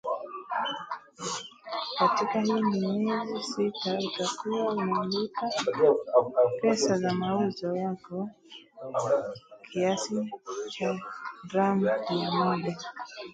Katika hii miezi sita utakuwa unamlipa pesa za mauzo yako kiasi cha dirhamu mia moja